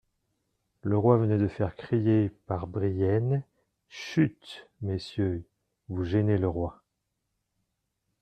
Le roi venait de faire crier par Brienne : Chut ! messieurs, vous gênez le roi.